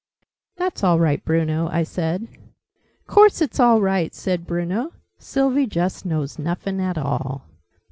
"That's all right, Bruno," I said. "Course it's all right!" said Bruno. "Sylvie just knows nuffin at all!"